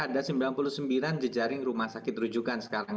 dari rumah sakit lapangan